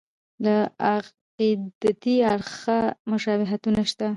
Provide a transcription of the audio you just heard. له عقیدتي اړخه مشابهتونه شته.